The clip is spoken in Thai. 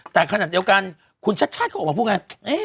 แต่ขนาดเดียวกันคุณชัดชาติเขาออกมาพูดไง